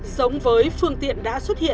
giống với phương tiện đã xuất hiện